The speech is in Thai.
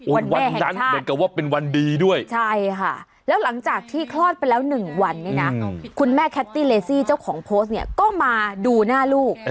วันนั้นเหมือนกับว่าเป็นวันดีด้วยใช่ค่ะแล้วหลังจากที่คลอดไปแล้ว๑วันนี้นะคุณแม่แคตตี้เลซี่เจ้าของโพสต์เนี่ยก็มาดูหน้าลูก